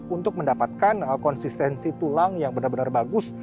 untuk mendapatkan konsistensi tulang yang benar benar bagus